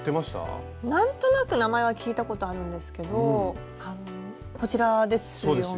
何となく名前は聞いたことあるんですけどこちらですよね？